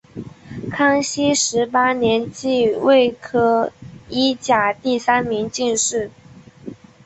康熙十八年己未科一甲第三名进士。